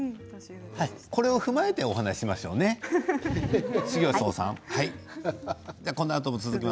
これを踏まえてお話ししましょうね修行僧さん。